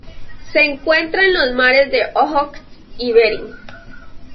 Se encuentra en los mares de Ojotsk y Bering.